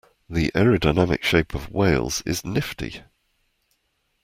The aerodynamic shape of whales is nifty.